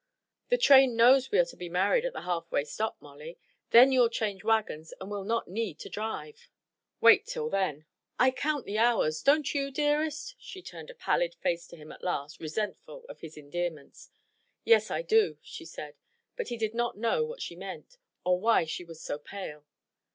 "The train knows we are to be married at the halfway stop, Molly. Then you'll change wagons and will not need to drive." "Wait till then." "I count the hours. Don't you, dearest?" She turned a pallid face to him at last, resentful of his endearments. "Yes, I do," she said. But he did not know what she meant, or why she was so pale.